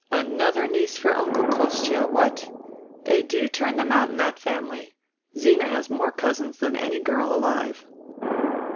" Another niece for Uncle Kostia, what ! They do turn them out in that family. Zina has more cousins than any girl alive